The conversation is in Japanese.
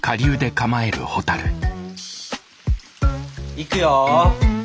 行くよ。